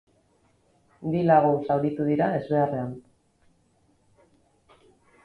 Bi lagun zauritu dira ezbeharrean.